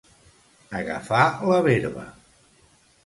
Agafar la verba.